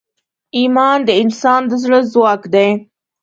ایمان د انسان د زړه ځواک دی.